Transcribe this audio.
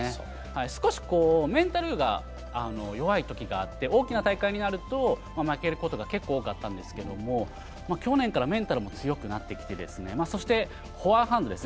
少しメンタルが弱いときがあって、大きな大会になると負けることが結構多かったんですけれども、去年からメンタルも強くなってきてそしてフォアハンドですね。